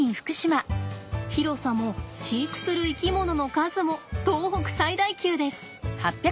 広さも飼育する生き物の数も東北最大級です。